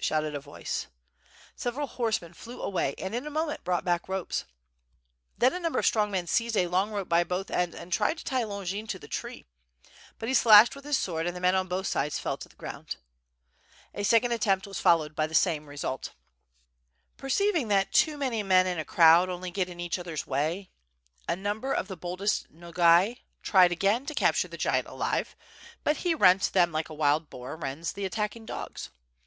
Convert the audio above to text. shouted a voice. Several horsemen flew away and in a moment brought back ropes. Then a number of strong men seized a long rope by both ends and tried to tie Longin to the tree; but he slashed with his sword and the men on both sides fell to the ground. A second attempt was followed by the same result. Perceiving that too many men in a crowd only get in each other^s way, a number of the boldest Nogais tried again to capture the giant alive; but he rent them^like a wild boar rends the attacking dogs.